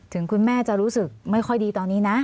ถึงคุณแม่จะรู้สึกไม่ค่อยดีตอนนี้นะ